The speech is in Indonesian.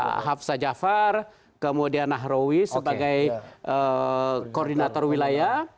pak hafsah jafar kemudian nahrawi sebagai koordinator wilayah